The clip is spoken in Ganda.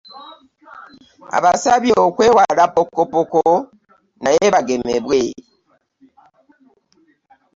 Abasabye okwewala ppokopoko naye bagemebwe